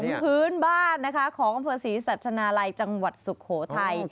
เป็นขนมพื้นบ้านของอมเผอร์ศรีหัวสะจนาลัยจังหวัดสุขโหทัย